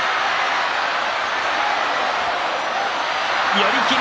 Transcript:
寄り切り。